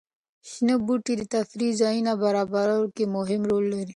شنه بوټي د تفریح ځایونو برابرولو کې مهم رول لري.